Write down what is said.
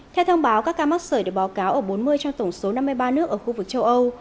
theo thông báo các ca mắc sởi được báo cáo ở bốn mươi trong tổng số năm mươi ba nước ở khu vực châu âu